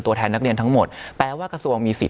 แทนนักเรียนทั้งหมดแปลว่ากระทรวงมีสิทธ